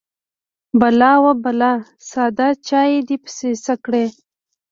_بلا ، وه بلا! ساده چاې دې پسې څه کړ؟